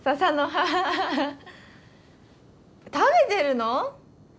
食べてるの？